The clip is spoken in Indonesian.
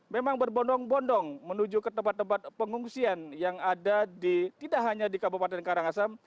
memang berbondong bondong menuju ke tempat tempat pengungsian yang ada di tidak hanya di kabupaten karangasem